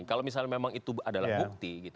kalau misalnya memang itu adalah bukti